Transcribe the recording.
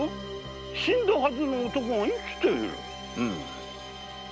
死んだはずの男が生きている⁉間違いない。